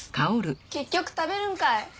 結局食べるんかい。